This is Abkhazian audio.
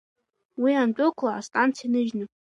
Уи андәықәла астанциа ныжьны…